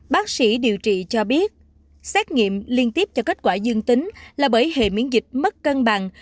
bác sĩ điều trị cho biết xét nghiệm liên tiếp cho kết quả dương tính là bởi hệ miễn dịch mất cân bằng